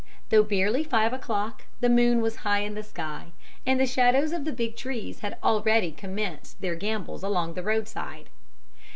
Though barely five o'clock, the moon was high in the sky, and the shadows of the big trees had already commenced their gambols along the roadside.